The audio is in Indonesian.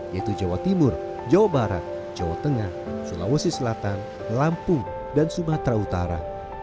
yaitu jawa timur jawa barat jawa tengah sulawesi selatan lampung dan sumatera utara